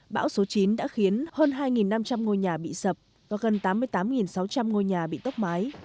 bão số chín đã khiến hơn hai năm trăm linh ngôi nhà bị sập và gần tám mươi tám sáu trăm linh ngôi nhà bị tốc mái